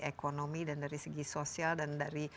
ekonomi dan dari segi sosial dan dari